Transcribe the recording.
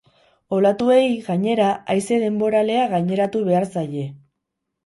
Olatuei, gainera, haize denboralea gaineratu behar zaie.